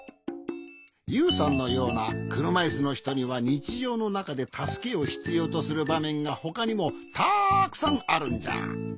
ユウさんのようなくるまいすのひとにはにちじょうのなかでたすけをひつようとするばめんがほかにもたくさんあるんじゃ。